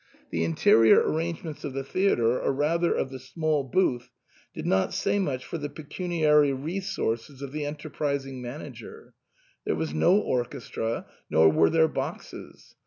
The interior arrangements of the theatre, or rather of the small booth, did not say much for the pecuniary resources of the enterprising manager. There was no orchestra, nor were there boxes.